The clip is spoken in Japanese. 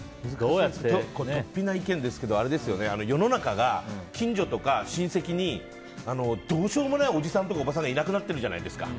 突飛な意見ですけど世の中が近所とか親戚にどうしようもないおじさんとか、おばさんがいなくなってるじゃないですか。